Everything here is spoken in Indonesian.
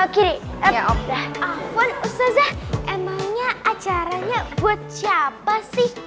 kiri yang miss